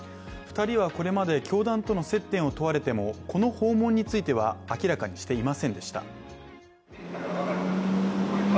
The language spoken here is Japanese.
２人はこれまで教団との接点を問われてもこの訪問については明らかにしていませんでした。